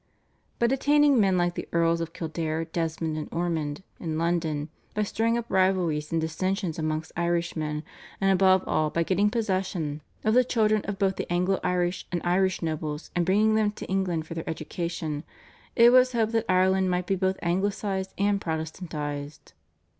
By detaining men like the Earls of Kildare, Desmond, and Ormond in London, by stirring up rivalries and dissensions amongst Irishmen, and above all by getting possession of the children of both the Anglo Irish and Irish nobles and bringing them to England for their education, it was hoped that Ireland might be both Anglicised and Protestantised.